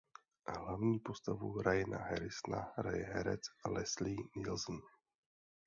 Hlavní postavu Ryana Harrisona hraje herec Leslie Nielsen.